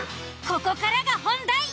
ここからが本題。